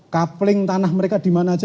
coupling tanah mereka dimana saja